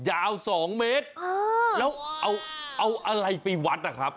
ยาว๒เมตรแล้วเอาอะไรไปวัดนะครับ